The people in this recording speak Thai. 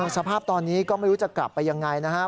สภาพตอนนี้ก็ไม่รู้จะกลับไปยังไงนะครับ